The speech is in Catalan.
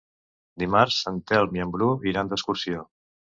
Dimarts en Telm i en Bru iran d'excursió.